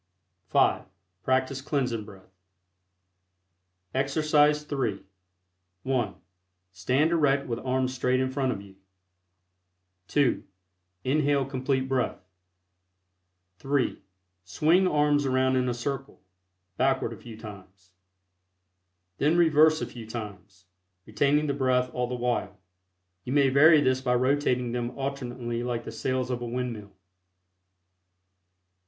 (5) Practice Cleansing Breath. EXERCISE III. (1) Stand erect with arms straight In front of you, (2) Inhale Complete Breath. (3) Swing arms around in a circle, backward, a few times. Then reverse a few times, retaining the breath all the while. You may vary this by rotating them alternately like the sails of a windmill.